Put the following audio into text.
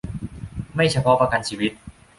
ไม่เฉพาะประกันชีวิต